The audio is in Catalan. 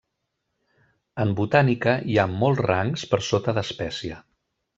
En botànica hi ha molts rangs per sota d’espècie.